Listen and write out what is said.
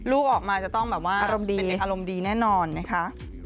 ลูกออกมาจะต้องเป็นอารมณ์ดีแน่นอนนะคะ